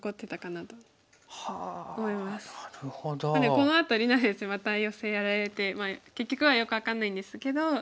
このあと里菜先生またヨセやられてまあ結局はよく分かんないんですけど。